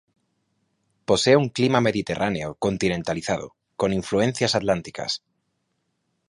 Posee un clima mediterráneo continentalizado, con influencias atlánticas.